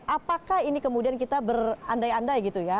apakah ini kemudian kita berandai andai gitu ya